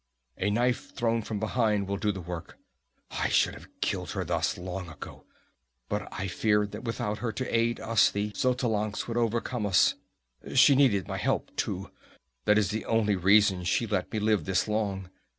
A knife thrown from behind will do the work. I should have killed her thus long ago, but I feared that without her to aid us the Xotalancas would overcome us. She needed my help, too; that's the only reason she let me live this long.